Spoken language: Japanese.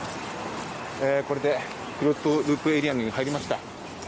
これでクローズドループエリアに入りました。